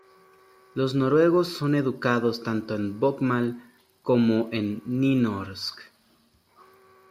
Los noruegos son educados tanto en "bokmål" como en "nynorsk".